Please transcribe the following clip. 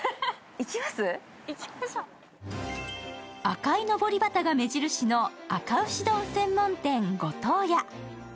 赤いのぼり旗が目印のあか牛丼専門店ごとう屋。